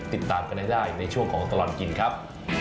ติดตามกันให้ได้ในช่วงของตลอดกินครับ